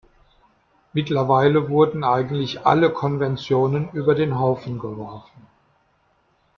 Mittlerweile wurden eigentlich alle Konventionen über den Haufen geworfen.